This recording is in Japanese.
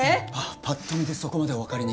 ぱっと見でそこまでお分かりに？